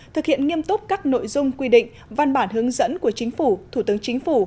thực hiện nghiêm túc các nội dung quy định văn bản hướng dẫn của chính phủ thủ tướng chính phủ